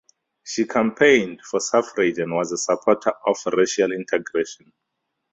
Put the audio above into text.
She campaigned for suffrage and was a supporter of racial integration.